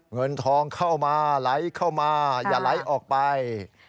เงินทองเข้ามาไหลเข้ามาอย่าไหลออกไป